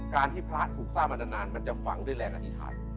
การที่พระถูกสร้างมานานมันจะฝังด้วยแรงอธิษฐาน